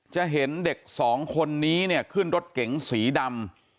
จะเห็นเด็กสองคนนี้เนี่ยขึ้นรถเก๋งสีดำ